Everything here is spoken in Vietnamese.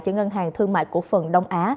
cho ngân hàng thương mại của phần đông á